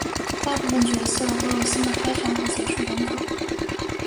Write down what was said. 大部分的角色都有新的开场和结束动作。